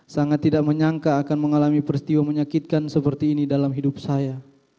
sangat tidak menyangka akan mengalami peristiwa menyakitkan seperti ini dalam hidup saya